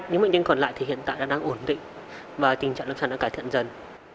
những bệnh nhân còn lại thì hiện tại đang ổn định và tình trạng lâm sản đã cải thiện dần